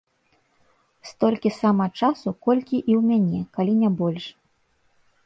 Столькі сама часу, колькі і ў мяне, калі не больш.